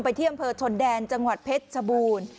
ที่อำเภอชนแดนจังหวัดเพชรชบูรณ์